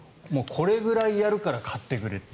これぐらいやるから買ってくれと。